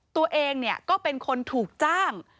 ตัวเองก็เป็นคนถูกจ้าง